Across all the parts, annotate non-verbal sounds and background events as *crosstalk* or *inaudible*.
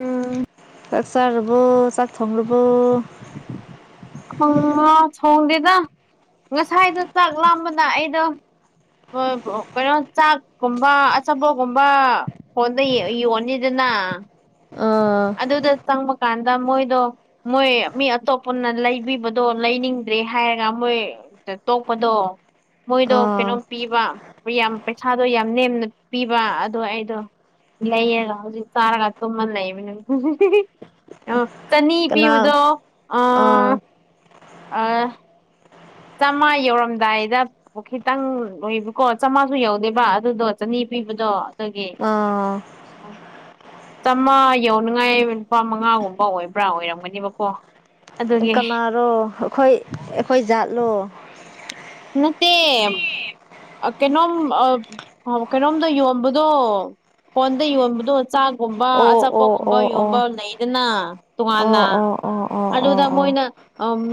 ꯎꯝ ꯆꯥꯛꯆꯥꯥ꯭ꯔꯕꯨꯣ ꯆꯥꯛ ꯊꯣꯡ꯭ꯔꯕꯨꯧ ꯣꯡ ꯊꯣꯡꯗꯦꯗ ꯉꯁꯥꯏꯗ ꯆꯥꯛ ꯂꯥꯝꯕꯅ ꯑꯩꯗꯣ ꯍ ꯀꯩꯅꯣ ꯆꯥꯛꯀꯨꯝꯕ ꯑꯆꯥꯄꯣꯠꯒꯨꯝꯕ ꯍꯣꯟꯗ ꯌꯣꯟꯅꯤꯗꯅ ꯑ ꯑꯥ ꯑꯗꯨꯗ ꯆꯪ ꯀꯥꯟꯗ ꯃꯣꯏꯗꯣ ꯃꯣꯏ ꯃꯤ ꯑꯇꯣꯞꯄꯅ ꯂꯩꯕꯤꯕꯗꯣ ꯂꯩꯅꯤꯡꯗ꯭ꯔꯦ ꯍꯥꯏꯔꯒ ꯃꯣꯏ ꯇꯣꯛꯄꯗꯣ ꯃꯣꯏꯗꯣ ꯑꯥ ꯀꯩꯅꯣꯝ ꯄꯤꯕ ꯌꯥꯝ ꯄꯩꯁꯥꯗꯣ ꯌꯥꯝ ꯅꯦꯝꯅ ꯄꯤꯕ ꯑꯗꯣ ꯑꯩꯗꯣ ꯂꯩꯌꯦꯒ ꯍꯧꯖꯤꯛ ꯆꯥꯔꯒ ꯇꯨꯝꯃ ꯂꯩꯕꯅ ꯗꯤ ꯑ ꯆꯅꯤ ꯀꯅꯥ ꯄꯤꯕꯗꯣ ꯑ ꯑꯥ ꯑ ꯆꯥꯝꯃꯉꯥ ꯌꯧꯔꯝꯗꯥꯏꯗ ꯈꯤꯇꯪ ꯑꯣꯏꯕꯀꯣ ꯆꯥꯃꯉꯥꯁꯨ ꯌꯧꯗꯦꯕ ꯑꯗꯨꯗꯣ ꯆꯅꯤ ꯕꯗꯣ ꯑꯥ ꯑ ꯆꯥꯝꯃꯥ ꯌꯧꯅꯤꯉꯥꯏ ꯂꯨꯄꯥ ꯃꯉꯥꯒꯨꯝꯕ ꯑꯣꯏꯕ꯭ꯔꯥ ꯑꯣꯏꯔꯝꯒꯅꯦꯕꯀꯣ ꯑꯗꯨꯒꯤ ꯀꯅꯥꯔꯣ ꯑꯩꯈꯣꯏ ꯑꯩꯈꯣꯏ ꯖꯥꯠꯂꯣ ꯅꯠꯇ ꯀꯩꯅꯣꯝ ꯀꯩꯅꯣꯝꯗ ꯌꯣꯟꯝꯕꯗꯣ ꯀꯣꯟꯗ ꯌꯣꯟꯕꯗꯣ ꯆꯥꯛꯒꯨꯝꯕ ꯑꯣ ꯑꯣ ꯑꯆꯥꯄꯒꯨꯝꯕ ꯑꯣ ꯑꯣ ꯌꯣꯟꯕ ꯂꯩꯗꯅ ꯑꯣ ꯇꯣꯉꯥꯟꯅ ꯑꯣ ꯑꯣ ꯑꯣ ꯑꯣ ꯑꯗꯨꯗ ꯑꯣ ꯃꯣꯏꯅ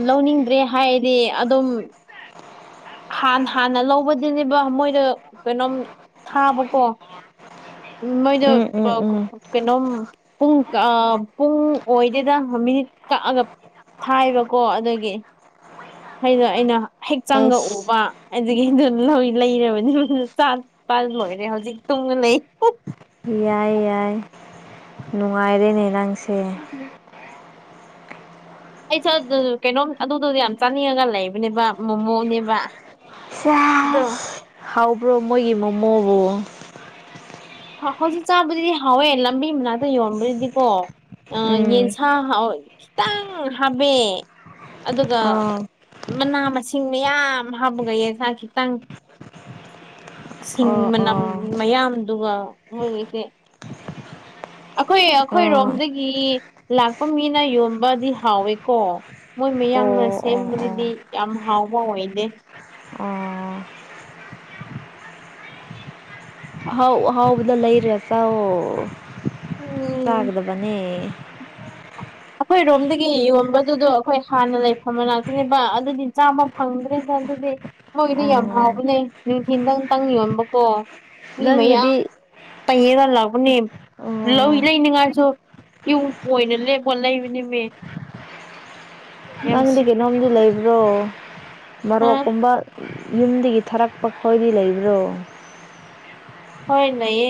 ꯂꯧꯅꯤꯡꯗ꯭ꯔꯦ ꯍꯥꯏꯗꯤ ꯑꯗꯨꯝ ꯍꯥꯟ ꯍꯥꯟꯅ ꯂꯧꯕꯗꯨꯅꯦꯕ ꯃꯣꯏꯗ ꯀꯩꯅꯣꯝ ꯊꯥꯕꯀꯣ ꯃꯣꯏꯗꯣ ꯎꯝ ꯎꯝ ꯎꯝ ꯀꯩꯅꯣꯝ ꯄꯨꯡ ꯄꯨꯡ ꯑꯣꯏꯗꯦꯗ ꯃꯤꯅꯤꯠ ꯀꯛꯑꯒ ꯊꯥꯏꯕꯀꯣ ꯑꯗꯒꯤ ꯑꯩꯅꯣ ꯑꯩꯅ ꯍꯛꯆꯥꯡꯒ ꯑꯩꯁ ꯎꯕ ꯑꯗꯨꯒꯤꯗ ꯂꯩꯔꯕꯅꯤ ꯆꯥ ꯄꯜ ꯂꯣꯏꯔꯦ ꯍꯧꯖꯤꯛ ꯇꯨꯡꯅ ꯂꯩ ꯌꯥꯏ ꯌꯥꯏ ꯅꯨꯡꯉꯥꯏꯔꯦꯅꯦ ꯅꯪꯁꯦ ꯑꯩꯁꯨꯦ ꯑꯗꯨ ꯀꯩꯅꯣꯝ ꯑꯗꯨꯗꯨꯗꯤ ꯌꯥꯝ ꯆꯥꯅꯤꯡꯉꯒ ꯂꯩꯕꯅꯦꯕ ꯃꯣꯃꯣꯅꯦꯕ ꯁꯦꯁ ꯑꯗꯣ ꯍꯥꯎꯕ꯭ꯔꯣ ꯃꯣꯏꯒꯤ ꯃꯣꯃꯣꯕꯨ ꯍꯧꯖꯤꯛ ꯆꯥꯕꯗꯨꯗꯤ ꯍꯥꯎꯋꯦ ꯂꯝꯕꯤ ꯃꯅꯥꯛꯇ ꯌꯣꯟꯕꯗꯨꯗꯤꯀꯣ ꯑ ꯎꯝ ꯌꯦꯟꯁꯥ ꯈꯤꯇꯪ ꯍꯥꯞꯄ ꯑꯗꯨꯒ ꯑꯥ ꯃꯅꯥ ꯃꯁꯤꯡ ꯃꯌꯥꯝ ꯍꯥꯞꯄꯒ ꯌꯦꯁ ꯈꯤꯇꯪ ꯁꯤꯡ ꯑꯣ ꯃꯅꯝ ꯑꯣ ꯃꯌꯥꯝꯗꯨꯒ ꯃꯣꯏꯒꯤꯁꯦ ꯑꯩꯈꯣꯏ ꯑꯣ ꯑꯣ ꯑꯩꯈꯣꯏꯔꯣꯝꯗꯒꯤ ꯂꯥꯛꯄ ꯃꯤꯅ ꯌꯣꯟꯕꯗꯤ ꯍꯥꯎꯋꯦꯀꯣ ꯃꯣꯏ ꯑꯣ ꯃꯌꯥꯡꯅ ꯑꯣ ꯁꯦꯝꯕꯗꯨꯗꯤ ꯑꯣ ꯌꯥꯝ ꯍꯥꯎꯕ ꯑꯣꯏꯗꯦ ꯥꯎ ꯍꯥꯎꯕꯗ ꯂꯩꯔꯦ ꯆꯥꯛ ꯎꯝ ꯆꯥꯒꯗꯕꯅꯦ ꯑꯩꯈꯣꯏ ꯔꯣꯝꯗꯒꯤ ꯌꯣꯟꯕꯗꯨꯗꯣ ꯑꯩꯈꯣꯏ ꯍꯥꯟꯅ ꯂꯩꯐꯝꯝꯕ ꯉꯥꯛꯇꯅꯦꯕ ꯑꯗꯨꯗꯤ ꯆꯥꯝꯃ ꯐꯪꯗ꯭ꯔꯦꯗ ꯑꯗꯨꯗꯤ ꯃꯣꯏꯒꯤꯗꯤ ꯌꯥꯝ ꯑꯣ ꯍꯥꯎꯕꯅꯦ ꯅꯨꯡꯊꯤꯟꯗꯪꯇꯪ ꯌꯣꯟꯕꯀꯣ ꯅꯪꯒꯤꯗꯤ ꯇꯌꯦꯡꯒ ꯂꯕꯅꯦ ꯂꯧꯏ ꯑꯣ ꯂꯩꯅꯤꯡꯉꯥꯏꯁꯨ ꯏꯨꯡ ꯀꯣꯏꯅ ꯍꯣꯠ ꯂꯩꯕꯅꯤꯃꯦ ꯅꯪꯗꯤ ꯀꯩꯅꯣꯝꯗꯤ ꯂꯩꯕ꯭ꯔꯣ ꯍꯥ ꯃꯔꯣꯛꯀꯨꯝꯕ ꯌꯨꯝꯗꯒꯤ ꯊꯥꯔꯛꯄ ꯈꯣꯏꯗꯤ ꯂꯩꯕ꯭ꯔꯣ ꯍꯣꯏ ꯅꯌꯦ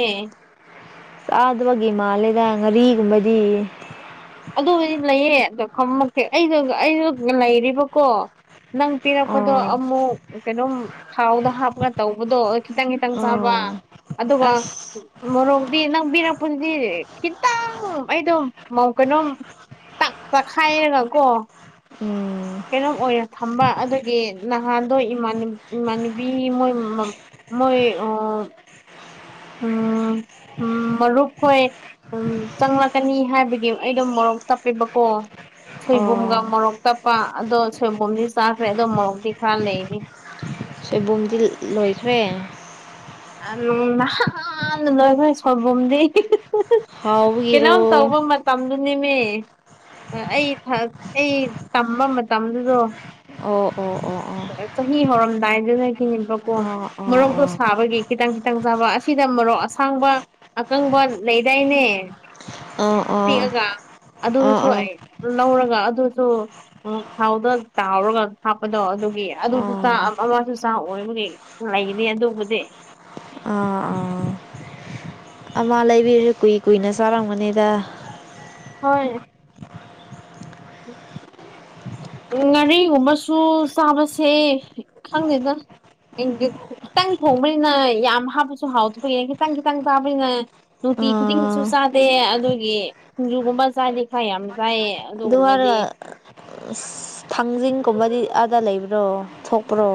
ꯑ ꯑꯗꯨꯕꯒꯦ ꯃꯥꯂꯦꯗ ꯉꯔꯤꯒꯨꯝꯕꯗꯤ ꯑꯗꯨꯕꯨꯗꯤ ꯂꯩꯌꯦ ꯑꯗꯣ ꯈꯪꯃꯛꯦ ꯑꯩ ꯑꯩꯁꯨ ꯂꯩꯔꯤꯕꯀꯣ ꯅꯪ ꯄꯤꯔꯛꯄꯗꯣ ꯑꯣ ꯑꯃꯨꯛ ꯀꯩꯅꯣꯝ ꯊꯥꯎꯗ ꯍꯥꯞꯄꯒ ꯇꯧꯕꯗꯣ ꯈꯤꯇꯪ ꯈꯤꯇꯪ ꯆꯥꯕ ꯑꯣ ꯑꯗꯨꯒ ꯑꯁ ꯃꯣꯔꯣꯛꯗꯤ ꯅꯪꯕꯤꯔꯛꯄꯗꯨꯗꯤ ꯈꯤꯇꯪ ꯑꯩ ꯑꯗꯨꯝ ꯀꯩꯅꯣꯝ ꯇꯛꯄ ꯈꯥꯏꯔꯒꯀꯣ ꯎꯝ ꯀꯩꯅꯣꯝ ꯑꯣꯏꯔꯣ ꯊꯝꯕ ꯑꯗꯨꯒꯤ ꯅꯍꯥꯟꯗꯣ ꯏꯃꯥꯟꯅꯨꯕꯤ ꯃꯣꯏ ꯃꯣꯏ ꯎ ꯎꯝ ꯎꯝ ꯃꯔꯨꯞꯈꯣꯏ ꯎꯝ ꯆꯪꯂꯛꯀꯅꯤ ꯍꯥꯏꯕꯒꯤ ꯑꯩꯗꯣ ꯃꯣꯔꯣꯛ ꯇꯞꯄꯦꯕꯀꯣ ꯁꯣꯏꯕꯨꯝꯒ ꯑꯣ ꯃꯣꯔꯣꯛ ꯇꯞꯄ ꯑꯗꯣ ꯁꯣꯏꯕꯨꯝꯗꯤ ꯆꯥꯈ꯭ꯔꯦ ꯑꯗꯣ ꯃꯣꯔꯣꯛꯇꯤ ꯈꯔ ꯂꯩꯅꯤ *inaudible* ꯁꯣꯏꯕꯨꯝꯗꯤ ꯂꯣꯏꯈ꯭ꯔꯦ ꯅꯍꯥꯟ ꯂꯣꯏꯈꯣꯏ ꯁꯣꯟꯕꯝꯗꯤ ꯀꯩꯅꯣꯝ ꯍꯥꯎꯕꯒꯤꯔꯣ ꯇꯧꯕ ꯃꯇꯝꯗꯨꯅꯦꯃꯦ ꯑꯩ ꯑꯩ ꯇꯝꯕ ꯃꯇꯝꯗꯨꯗꯣ ꯑꯣ ꯑꯣ ꯑꯣ ꯑꯣ ꯥꯏꯗ ꯉ ꯀꯅꯤꯕ ꯀꯣ ꯑꯣ ꯑꯣ ꯑꯣ ꯑꯣ ꯑꯣ ꯃꯔꯣꯔꯣꯛꯇꯣ ꯁꯥꯕꯒꯤ ꯈꯤꯇꯪ ꯈꯤꯇꯪ ꯆꯕ ꯑꯁꯤꯗ ꯃꯔꯣꯛ ꯑꯁꯥꯡꯕ ꯑꯀꯪꯕ ꯂꯩꯗꯥꯏꯅꯦ ꯍ ꯑꯥ ꯑꯣꯥ ꯑꯗꯨꯗꯨꯁꯨ ꯑꯩ ꯂꯧꯔꯒ ꯑꯗꯨꯁꯨ ꯎ ꯊꯥꯎꯗ ꯇꯥꯎꯔꯒ ꯍꯥꯞꯄ ꯑꯗꯣ ꯑꯗꯨꯒꯤ ꯑꯗꯨꯁꯨ ꯆꯥ ꯑꯣ ꯑꯃꯁꯨ ꯆꯥ ꯑꯣꯏꯕꯒꯤ ꯂꯩꯅꯤ ꯑꯗꯨꯕꯨꯗꯤ ꯑꯥ ꯑꯥ ꯑꯃ ꯂꯩꯕꯤꯔꯦ ꯀꯨꯏ ꯀꯨꯏꯅ ꯆꯥꯔꯝꯒꯅꯤꯗ ꯍꯣꯏ ꯎꯝ ꯎ ꯉꯥꯔꯤꯒꯨꯝꯕꯁꯨ ꯆꯥꯕꯁꯦ ꯈꯪꯗꯦꯗ ꯈꯤꯇꯪ ꯍꯣꯡꯕꯅꯤꯅ ꯌꯥꯝ ꯍꯥꯞꯄꯁꯨ ꯍꯥꯎꯇ ꯀꯅ ꯈꯤꯇꯪ ꯈꯤꯇꯪ ꯇꯥꯕꯅꯤꯅ ꯁꯨꯔꯇꯤ ꯈꯨꯗꯤꯡꯁꯨ ꯑꯥ ꯆꯥꯗꯦ ꯑꯗꯨꯒꯤ ꯁꯤꯡꯖꯨꯒꯨꯝꯕ ꯆꯥꯗꯦ ꯈꯔ ꯌꯥꯝ ꯆꯥꯏꯑ ꯍꯔꯒ ꯊꯥꯡꯖꯤꯡꯒꯨꯝꯕꯗꯤ ꯑꯥꯗ ꯂꯩꯕ꯭ꯔꯣ ꯊꯣꯛꯄ꯭ꯔꯣ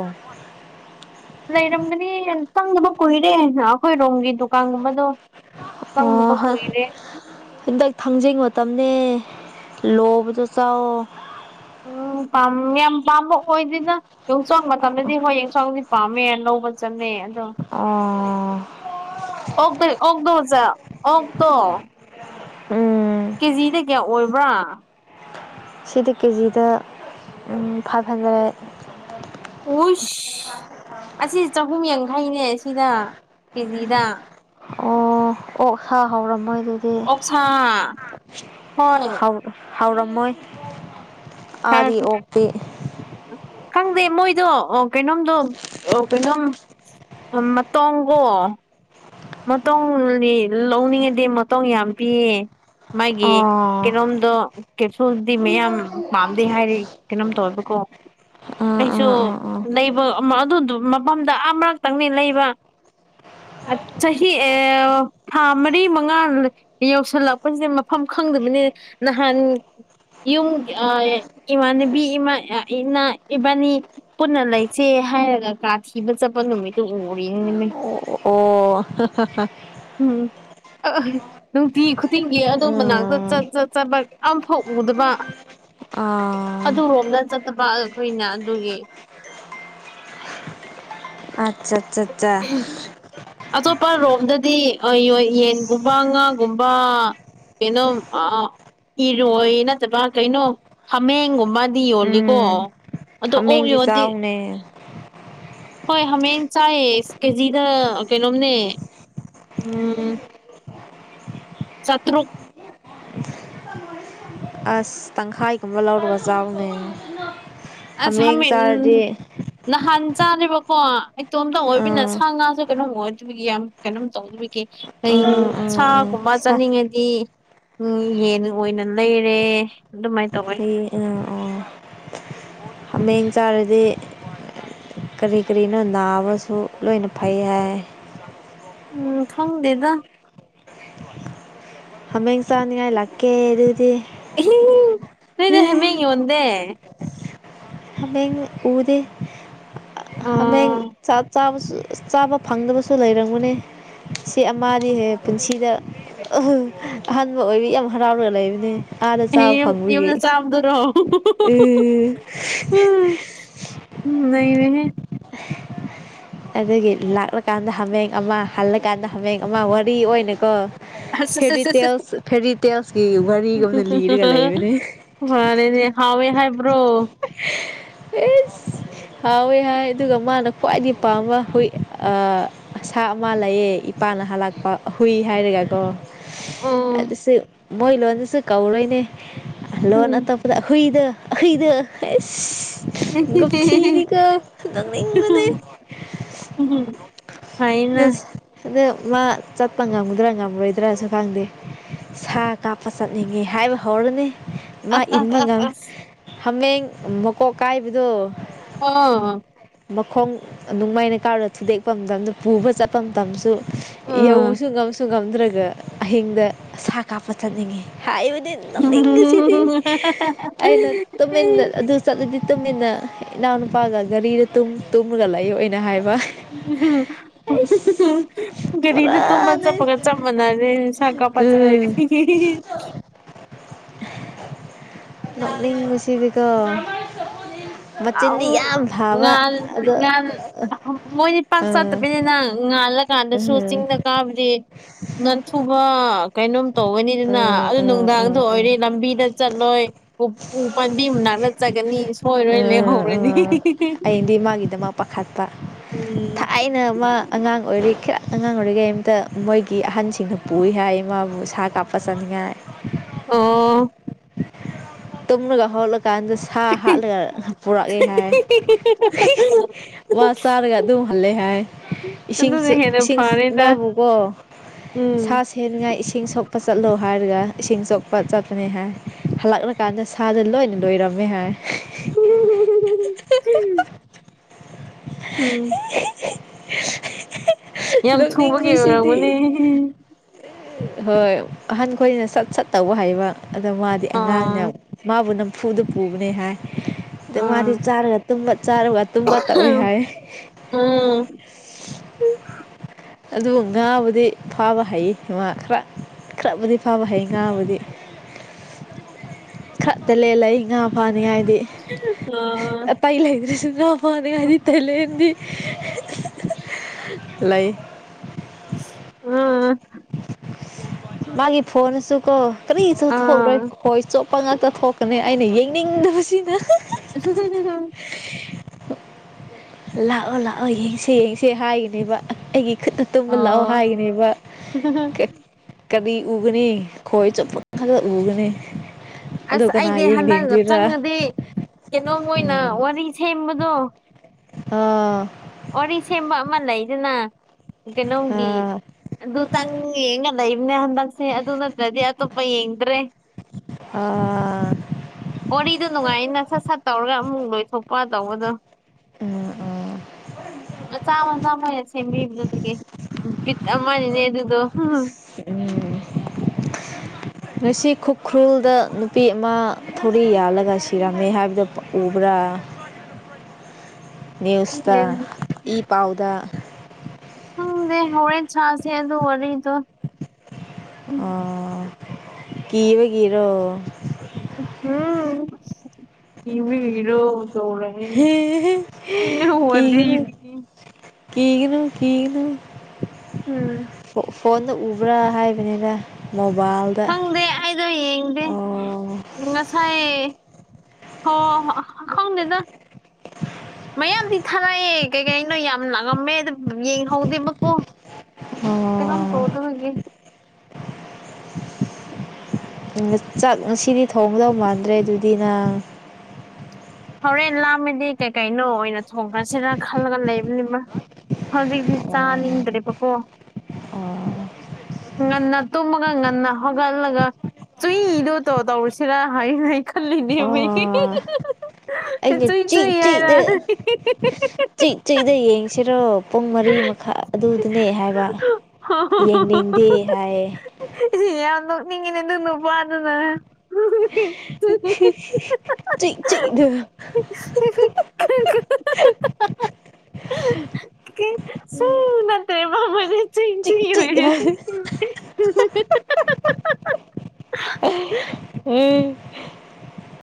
ꯂꯩꯔꯝꯒꯅꯤ ꯆꯪꯗꯅꯕ ꯀꯨꯏꯔꯦ ꯑꯩꯈꯣꯏꯔꯣꯝꯒꯤ ꯗꯨꯀꯥꯟꯒꯨꯝꯕꯗꯣ ꯑꯣ ꯆꯪꯗꯕ ꯀꯨꯏꯔꯦ ꯍꯟꯗꯛ ꯊꯥꯡꯖꯤꯡ ꯃꯇꯝꯅꯤꯅꯦ ꯂꯕ ꯇꯁꯑꯣ ꯑꯣ ꯝ ꯌꯥꯝ ꯄꯥꯝꯕ ꯑꯣꯏꯗꯅ ꯌꯣꯡꯆꯥꯡ ꯃꯇꯝꯗꯗꯤ ꯍꯣꯏ ꯌꯦꯟꯁꯥꯡꯗꯤ ꯄꯥꯝꯃꯦ ꯂꯧꯕ ꯆꯠꯃꯦꯩ ꯑꯗꯣ ꯑꯣ ꯑꯣ ꯑꯣꯛꯇ ꯍꯧꯖ ꯑꯣꯪꯛꯇ ꯎꯝ ꯀꯦꯖꯤꯗ ꯀꯌꯥ ꯑꯣꯏꯕ꯭ꯔꯥ ꯁꯤꯗꯤ ꯀꯦꯖꯤꯗ ꯐꯥꯏꯚ ꯍꯟꯗ꯭ꯔꯦꯠ ꯎꯁ ꯑꯁꯤ ꯆꯍꯨꯝ ꯌꯥꯡꯈꯩꯅꯦ ꯁꯤꯗ ꯀꯦꯖꯤꯗ ꯑꯣ ꯍꯥꯥꯎ ꯍꯥꯎꯔꯝꯃꯣꯏ ꯑꯣꯁꯥ ꯍꯅꯤ ꯍꯥꯎ ꯍꯥꯎꯔꯝꯃꯣꯏ ꯑꯥꯗꯤ ꯑꯣꯛꯇꯤ ꯈꯪꯗꯦ ꯃꯣꯏꯗꯣ ꯑꯣ ꯀꯩꯅꯣꯝꯗꯣ ꯑꯣ ꯀꯩꯅꯣꯝ ꯇꯣꯡꯕꯣ ꯃꯇꯧꯅꯤ ꯂꯧꯅꯤꯡꯉꯗꯤ ꯃꯇꯧ ꯌꯥꯝ ꯄꯤꯌꯦ ꯃꯥꯒꯤ ꯑꯣ ꯀꯩꯅꯣꯝꯗꯣ ꯀꯦꯁꯣꯜꯗꯤ ꯃꯌꯥꯝ ꯄꯥꯝꯗꯦ ꯍꯥꯏꯔꯤ ꯀꯩꯅꯣꯝ ꯇꯧꯋꯦꯕꯀꯣ ꯑꯣ ꯑꯥ ꯑꯥ ꯑꯩꯁꯨ ꯑꯥ ꯑꯥ ꯂꯩꯕ ꯑꯗꯨ ꯃꯐꯝꯗ ꯑ ꯃꯔꯛꯇꯪꯅꯤ ꯂꯩꯕ ꯑ ꯆꯍꯤ ꯊꯥ ꯃꯔꯤ ꯃꯉꯥ ꯌꯧꯁꯤꯜꯂꯛꯄꯁꯤꯗ ꯃꯐꯝ ꯈꯪꯗꯕꯅꯤ ꯅꯍꯥꯟ ꯌꯨꯝ ꯏꯃꯥꯟꯅꯕꯤꯃ ꯏ ꯏꯕꯥꯅꯤ ꯄꯨꯟꯅ ꯂꯩꯁꯦ ꯍꯥꯏꯔꯒ ꯀꯥꯊꯤꯕ ꯆꯠꯄ ꯅꯨꯃꯤꯠꯇꯨ ꯎꯔꯤꯅꯤꯅꯤ ꯑꯣ ꯑꯣ ꯎꯝ ꯑ ꯅꯨꯡꯇꯤ ꯈꯨꯗꯤꯡꯒꯤ ꯑꯗꯣꯝ ꯃꯅꯥꯛꯇ ꯎꯝ ꯆꯠ ꯆꯠ ꯆꯠꯄ ꯌꯥꯝꯐꯥꯎ ꯎꯗꯕ ꯑꯥ ꯑꯗꯨꯔꯣꯝꯗ ꯆꯠꯇꯕ ꯑꯩꯈꯣꯏꯅ ꯑꯗꯨꯒꯤ ꯑꯆꯥ ꯑꯆꯥ ꯑ ꯑꯇꯣꯞꯄ ꯔꯣꯝꯗꯗꯤ ꯌꯦꯟꯒꯨꯝꯕ ꯉꯥꯒꯨꯝꯕ ꯀꯅꯣ ꯑ ꯏꯔꯣꯏ ꯅꯠꯇ꯭ꯔ ꯀꯩꯅꯣ ꯍꯥꯃꯦꯡꯒꯨꯝꯕꯗꯤ ꯌꯣꯜꯂꯤꯀꯣ ꯎꯝ ꯑꯗꯣ ꯑꯣ ꯍꯥꯃꯦꯡꯗꯤ ꯌꯣꯗꯤ ꯆꯥꯎꯅꯦ ꯍꯣꯏ ꯍꯥꯃꯦꯡ ꯆꯥꯏꯌꯦ ꯀꯦꯖꯤꯗ ꯀꯩꯅꯣꯝꯅꯦ ꯎꯝ ꯆꯇ꯭ꯔꯨ ꯑꯁ ꯇꯪꯈꯥꯏꯒꯨꯝꯕ ꯂꯧꯔꯒ ꯆꯥꯎꯅꯦ ꯍꯥꯃꯦꯡ ꯑꯁꯃꯤ ꯆꯥꯔꯗꯤ ꯅꯍꯥꯟ ꯆꯥꯗꯦꯕꯀꯣ ꯑꯩꯇꯣꯝꯇ ꯑꯣꯏꯕꯅ ꯑꯥ ꯁꯥ ꯉꯥꯁꯨ ꯀꯩꯅꯣꯝ ꯑꯣꯏꯗꯒꯤ ꯌꯥꯝ ꯀꯩꯅꯣꯝ ꯇꯧꯗꯒꯤ ꯑꯥ ꯑꯥ ꯑꯥ ꯁꯥꯒꯨꯝꯕ ꯁꯥ ꯆꯠꯅꯤꯡꯉꯗꯤ ꯎꯝ ꯌꯦꯟ ꯑꯣꯏꯅ ꯂꯩꯔꯦ ꯑꯗꯨꯃꯥꯏ ꯇꯧꯋꯦ ꯃꯌꯦꯡ ꯆꯥꯔꯗꯤ ꯀꯔꯤ ꯀꯔꯤꯅꯣ ꯅꯥꯕꯁꯨ ꯂꯣꯏꯅ ꯐꯩ ꯍꯥꯏ ꯎꯝ ꯊꯪꯗꯦꯗ ꯍꯃꯦ ꯆꯥꯗꯤꯉ ꯂꯀꯦꯗꯤ ꯅꯣꯏꯗ ꯍꯩꯃꯦꯡ ꯌꯣꯟꯗꯦ ꯃꯦ ꯎꯗ ꯑꯣ ꯍꯥꯃꯦꯡꯥꯁꯨ ꯆꯥꯕ ꯐꯪꯗꯕꯁꯨ ꯂꯩꯔꯝꯒꯅꯤ ꯁꯤ ꯑꯃꯍꯦꯛ ꯄꯨꯟꯁꯤꯗ ꯑꯍꯥꯟꯕ ꯑꯣꯏꯕ ꯌꯥꯝ ꯍꯔꯥꯎꯔꯒ ꯂꯩꯕꯅꯦ ꯑꯥꯗ ꯆꯥꯕ ꯌꯨꯝ ꯐꯪꯕꯒꯤ ꯌꯨꯝꯗ ꯆꯥꯕꯗꯨꯔꯣ ꯎꯝ ꯅꯅꯦ ꯑꯗꯨꯗꯒꯤ ꯂꯥꯛꯂꯀꯥꯟꯗ ꯍꯥꯃꯦꯡ ꯑꯃ ꯍꯜꯂꯀꯥꯟꯗ ꯍꯥꯃꯦꯡ ꯑꯃ ꯋꯥꯔꯤ ꯑꯣꯏꯅꯀꯣ ꯑꯁ ꯑꯁ ꯑꯁ ꯑꯁ ꯐꯦꯔꯤꯇꯦꯜꯁ ꯐꯦꯔꯤꯇꯦꯜꯁꯀꯤ ꯋꯥꯔꯤꯒꯨꯝꯗ ꯂꯤꯔꯒ ꯂꯩꯕꯅꯦ ꯐꯔꯦꯅꯦ ꯍꯥꯎꯋꯦ ꯍꯥꯏꯕ꯭ꯔꯣ ꯑꯦꯁ ꯍꯥꯎꯋꯦ ꯍꯥꯏ ꯑꯗꯨꯒ ꯃꯥꯅ ꯈ꯭ꯋꯥꯏꯗꯒꯤ ꯄꯥꯝꯕ ꯍꯣꯏ ꯁꯥ ꯑꯃ ꯂꯩꯌꯦ ꯄꯥꯥꯟ ꯅꯍꯂꯥꯛꯄ ꯍꯨꯏ ꯍꯥꯏꯔꯒꯀꯣ ꯑꯣ ꯑꯗꯤꯁꯨ ꯃꯣꯏ ꯂꯗꯁꯨ ꯀꯧꯔꯣꯏꯅꯦ ꯂꯣꯟ ꯎꯝ ꯑꯇꯣꯄꯗꯈꯨꯗ ꯑꯈꯣꯏꯗ ꯑꯦꯁ ꯊꯤꯔꯒ ꯑꯗꯨꯉꯅꯦ ꯎꯝ ꯑ ꯑꯗꯨꯗ ꯃꯥ ꯆꯠꯄ ꯉꯝꯒꯗ꯭ꯔꯥ ꯉꯝꯔꯣꯏꯗ꯭ꯔꯁꯨ ꯈꯪꯗꯦ ꯁꯥ ꯀꯥꯞꯄ ꯆꯠꯅꯤꯡꯉꯦ ꯍꯥꯏꯕ ꯍꯧꯔꯅꯤ ꯑ ꯃꯥ ꯑ ꯏꯟꯕ ꯉꯝ ꯑ ꯑ ꯍꯥꯃꯦꯡ ꯃꯀꯣꯛ ꯀꯥꯏꯕꯗꯣ ꯑꯥ ꯃꯈꯣꯡ ꯅꯨꯡꯃꯥꯏꯅ ꯀꯥꯔꯗ ꯊꯨꯗꯦꯛꯄ ꯃꯇꯝꯗ ꯄꯨꯕ ꯆꯠꯄ ꯃꯇꯝꯁꯨ ꯑꯁ ꯌꯧꯁꯨ ꯉꯝꯁꯨ ꯉꯝꯗ꯭ꯔꯒ ꯑꯍꯤꯡꯗ ꯁꯥ ꯀꯥꯞꯄ ꯆꯠꯅꯤꯡꯉꯤ ꯍꯥꯏꯕꯗꯤ ꯑꯣ ꯇꯨꯝꯅꯤꯡꯒꯁꯤꯗꯤ ꯑꯩꯅ ꯇꯨꯃꯤꯟꯗ ꯑꯗꯨ ꯆꯠꯂꯗꯤ ꯃꯇꯨꯡꯨ ꯏꯟꯅ ꯏꯅꯥꯎꯅꯨꯄꯥꯒ ꯒꯥꯔꯤꯗ ꯇꯨꯝꯃꯒ ꯂꯩꯌ ꯑꯣꯏꯅ ꯍꯥꯏꯕ ꯎꯝ ꯍꯝ ꯑ ꯀꯔꯤꯗ ꯇꯨꯝ ꯆꯄꯒ ꯆꯃꯅꯦ ꯁꯀꯥ ꯄꯇ꯭ꯔ ꯎꯝ *unintelligible* *unintelligible* ꯅꯂꯤ ꯃꯁꯤꯁꯤꯕꯤꯀ ꯃꯆꯤꯟꯗꯤ ꯌꯥꯝ ꯐꯕ ꯉꯥꯟ ꯑꯣ ꯉꯥꯟ ꯎꯝ ꯉꯥꯜꯂ ꯀꯥꯟꯗꯁꯨ ꯎꯝ ꯆꯤꯡꯗ ꯀꯥꯕꯗꯤ ꯉꯟꯊꯨꯕ ꯀꯩꯅꯣꯝ ꯎꯝ ꯇꯧꯒꯅꯤꯗꯅ ꯎꯝ ꯑꯗꯨ ꯎꯝ ꯅꯨꯡꯗꯥꯡꯗ ꯎꯝ ꯑꯣꯏꯔꯦ ꯂꯝꯕꯤꯗ ꯆꯠꯂꯣꯏ ꯎ ꯄꯥꯕꯤ ꯅꯠꯆꯒꯅꯤ ꯁꯣꯏꯔꯣꯏ ꯂꯩꯍꯧꯔꯅꯤ ꯑꯗꯤ ꯃꯥꯒꯤꯗꯃꯛ ꯄꯥꯈꯠꯄ ꯎꯝ ꯊꯥꯏꯅ ꯃꯥ ꯑꯉꯥꯡ ꯑꯣꯏꯔꯤ ꯈꯤꯇꯪ ꯑꯉꯥꯡ ꯑꯣꯏꯔꯤꯒꯩ ꯑꯇ ꯃꯣꯏꯒꯤ ꯑꯍꯟꯁꯤꯡꯅ ꯄꯨꯏ ꯍꯥꯏ ꯏꯃꯕꯨ ꯁꯥ ꯀꯥꯞꯄ ꯆꯠꯅꯤꯡꯉꯥꯏ ꯑꯣ ꯇꯨꯝꯂꯒ ꯍꯧꯣꯠꯂꯀꯥꯟꯗ ꯁꯥ ꯍꯥꯠꯂꯒ ꯄꯨꯔꯛꯑꯦ ꯍꯥꯏ ꯊ ꯋꯥ ꯆꯥꯔꯒ ꯑꯗꯨꯝ ꯍꯜꯂꯦ ꯍꯥꯏ ꯑꯗꯨꯅ ꯏꯁꯤꯡꯁꯨ ꯍꯦꯟꯅ ꯏꯁꯤꯡ ꯐꯔꯦꯗ ꯃꯥꯕꯨꯀꯣ ꯎꯝ ꯁꯥ ꯁꯟꯅꯅꯨꯡꯉꯥꯏ ꯏꯁꯤꯡ ꯆꯣꯛꯄ ꯆꯠꯂꯣ ꯍꯥꯏꯔꯒ ꯏꯁꯤꯡ ꯆꯣꯛꯄ ꯆꯠꯄꯅꯤ ꯍꯥꯏ ꯍꯜꯂꯛꯂꯀꯥꯟꯗ ꯁꯥꯗ ꯂꯣꯏꯅ ꯂꯣꯏꯔꯕ ꯕꯤꯍꯔ ꯎꯝ ꯌꯥꯝ ꯊꯨꯕꯒꯤ ꯑꯣꯏꯔꯝꯒꯅꯤ ꯂꯧꯣꯛꯅꯤꯡꯒꯨꯁꯤꯗꯤ ꯍꯣꯏ ꯑꯍꯟꯈꯣꯏꯅ ꯁꯠ ꯁꯠꯇꯧꯕ ꯍꯥꯏꯩꯕ ꯑꯗꯣ ꯃꯥꯗꯤ ꯑꯥ ꯑꯉꯥꯡꯅꯦ ꯃꯥꯕꯨ ꯅꯝ ꯐꯨꯗ ꯄꯨꯕꯅꯦ ꯍꯥꯏ ꯑꯗꯩ ꯑꯥ ꯃꯥꯗꯤ ꯆꯥꯔꯒꯨꯝꯕ ꯆꯥꯔꯒ ꯇꯛꯑꯣꯏ ꯍꯥꯏ ꯎꯝ ꯑꯗꯨ ꯉꯥꯕꯨꯗꯤ ꯐꯥꯕ ꯍꯩ ꯉꯥ ꯈꯔ ꯈꯔꯕꯨꯗꯤ ꯐꯕ ꯍꯩ ꯉꯥꯕꯨꯗꯤ ꯈꯠꯇ ꯂ ꯂꯩ ꯂꯩ ꯉ ꯐꯥꯅꯤ ꯗꯤ ꯑꯥ ꯄꯥꯏ ꯂꯩꯗ꯭ꯔꯔꯤꯁꯤꯅꯣ ꯐꯣꯟꯅꯒꯅꯤ ꯇ ꯂꯩꯗꯤ ꯂꯩ ꯑꯥ ꯃꯥꯒꯤ ꯐꯣꯟꯣꯟ ꯆꯨ ꯀꯣ ꯀꯔꯤꯁꯨ ꯑꯥ ꯊꯣꯛꯂꯣꯏ ꯍꯣꯏ ꯆꯣꯞꯄ ꯉꯥꯛꯇ ꯊꯣꯛꯀꯅꯤ ꯑꯩꯅ ꯌꯦꯡꯅꯤꯡꯗꯕꯁꯤꯅ ꯗ ꯂꯥꯛꯑꯣ ꯂꯥꯛꯑꯣ ꯌꯦꯡꯁꯦ ꯌꯦꯡꯁꯦ ꯍꯥꯏꯈꯤꯅꯦꯕ ꯑꯩꯒꯤ ꯇꯨꯝꯕ ꯂꯥꯛꯑꯣ ꯑꯣ ꯍꯥꯏꯅꯦꯕ ꯀꯗꯤ ꯎꯒꯅꯤ ꯈꯣꯣꯏ ꯆꯄ ꯀ ꯎꯒꯅꯤ ꯑꯗꯨ ꯑꯁ ꯀꯅꯥ ꯑꯩꯗꯤ ꯍꯟꯗꯛ ꯌꯦꯡꯅꯤꯡꯗꯣꯏꯔꯥ ꯆꯪꯉꯗꯤꯦ ꯀꯩꯅꯣ ꯃꯣꯏꯅ ꯎꯝ ꯋꯥꯔꯤ ꯁꯦꯝꯕꯗꯣ ꯑꯥ ꯋꯥꯔꯤ ꯁꯦꯝꯕ ꯑꯃ ꯂꯩꯗꯅ ꯀꯩꯅꯣꯝꯒꯤ ꯑꯥ ꯑꯗꯨꯇꯪ ꯌꯦꯡꯅ ꯂꯩꯕꯅꯦ ꯍꯟꯗꯛꯁꯦ ꯑꯗꯨ ꯅꯠꯇ꯭ꯔꯗꯤ ꯑꯇꯣꯞꯄ ꯌꯦꯡꯗ꯭ꯔꯦ ꯑꯥ ꯋꯥꯔꯤꯗ ꯅꯨꯡꯉꯥꯏꯅ ꯁꯠ ꯁꯠ ꯇꯧꯔꯒ ꯑꯃꯨꯛ ꯂꯣꯏꯊꯣꯛꯄ ꯇꯧꯕꯗꯣ ꯑ ꯃꯆꯥ ꯃꯆꯥ ꯃꯣꯏꯅ ꯁꯦꯝꯕꯤꯕꯗꯨ ꯑꯗꯨꯒꯤꯠ ꯑꯃꯅꯤꯅꯦ ꯑꯗꯨꯗꯣ ꯅꯦ ꯉꯁꯤ ꯈꯨꯈ꯭ꯔꯨꯜꯗ ꯅꯨꯄꯤ ꯑꯃ ꯊꯧꯔꯤ ꯌꯥꯜꯂꯒ ꯁꯤꯔꯝꯃꯦ ꯍꯥꯏꯕꯗꯨ ꯎꯕ꯭ꯔꯥ ꯑ ꯅ꯭ꯌꯨꯁꯇ ꯏ ꯄꯥꯎꯗ ꯎ ꯗꯦ ꯍꯔꯦ ꯆꯥꯁꯦ ꯑ ꯑꯗꯨ ꯋꯥꯔꯤꯔꯤꯗꯨ ꯑ ꯀꯕꯒꯤꯔꯣ ꯀꯃꯤꯔꯣ ꯇꯔ ꯀꯒꯅꯣ ꯀꯒꯅꯣ ꯎꯝ ꯐꯣꯟꯅ ꯎꯕ꯭ꯔꯥ ꯍꯥꯏꯕꯅꯤꯅ ꯈꯪꯗꯦ ꯑꯩꯗꯣ ꯌꯦꯡꯗꯦ ꯎꯝ ꯉꯁꯥꯏ ꯍ ꯈꯪꯗꯦꯗ ꯃꯌꯥꯗꯤ ꯊꯔꯛꯑꯦ ꯀꯩꯀꯩꯩꯅꯣ ꯌꯥꯝ ꯂꯥꯡꯉꯝꯃꯦ ꯑꯗꯨ ꯌꯦꯡꯍꯧꯗꯦꯕꯀꯣ ꯀꯩꯅ ꯑꯣ ꯀꯣꯗ ꯍꯥꯏꯒ ꯆꯥꯛ ꯉꯁꯤꯗꯤ ꯊꯣꯡꯒꯗꯧ ꯃꯥꯟꯗ꯭ꯔꯦ ꯑꯗꯨꯗꯤ ꯅꯪ ꯍꯣꯔꯦꯟ ꯂꯥꯃꯤꯗꯤ ꯀꯩ ꯀꯩꯅꯣ ꯑꯣꯏꯅ ꯊꯣꯡꯈ꯭ꯔꯁꯤꯔꯥ ꯈꯜꯂꯒ ꯂꯩꯕꯅꯤꯃ ꯍꯧꯖꯤꯛꯇꯤ ꯆꯥꯅꯤꯡꯗ꯭ꯔꯦꯕꯀꯣ ꯉꯟꯅ ꯇꯨꯝꯃꯒ ꯉꯅꯥ ꯍꯒꯑꯂꯒ ꯆꯏꯗꯣ ꯇꯧ ꯇꯧꯔꯨꯁꯤꯔꯥ ꯍꯥꯏꯅ ꯈꯜꯂꯤꯅꯦ ꯑꯣ ꯑꯩꯅ ꯆꯤꯛ ꯆꯤꯗ ꯆꯤꯛ ꯆꯨꯏꯗ ꯌꯦꯡꯁꯤꯔꯣ ꯄꯨꯡ ꯃꯔꯤ ꯃꯈꯥ ꯑꯗꯨꯗꯅꯦ ꯍꯥꯏꯕ ꯌꯦꯡꯅꯤꯡꯗꯦ ꯍꯥꯏ ꯏꯉꯅ ꯑꯗꯨꯣꯅ ꯄ ꯑꯗꯨꯅ ꯆ ꯆ *unintelligible* ꯎꯝ ꯁꯨ ꯅꯠꯇꯦ ꯃꯥ ꯃꯅꯦ ꯆꯤ ꯆꯤꯛ ꯎꯝ